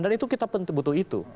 dan itu kita butuh itu